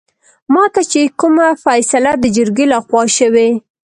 ماته چې کومه فيصله دجرګې لخوا شوې